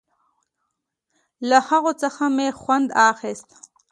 له هغو څخه مې خوند اخيست.